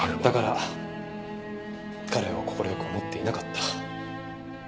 だから彼を快く思っていなかった。